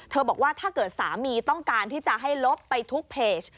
บอกว่าถ้าเกิดสามีต้องการที่จะให้ลบไปทุกเพจ